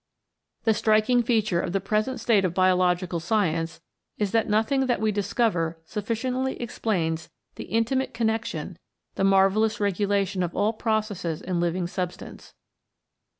The striking feature of the present state of biological science is that nothing that we dis cover sufficiently explains the intimate connection, the marvellous regulation of all processes in living substance.